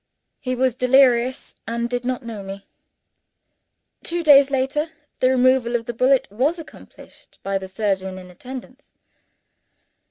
He was delirious and did not know me. Two days later, the removal of the bullet was accomplished by the surgeon in attendance.